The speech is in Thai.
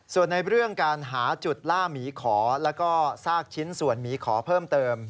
ส่วนในเรื่องการหาจุดล่าหมีขอแล้วก็ซากชิ้นส่วนหมีขอเพิ่มเติม